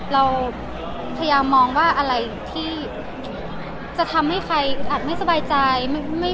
เราพยายามมองว่าอะไรที่จะทำให้ใครอัดไม่สบายใจ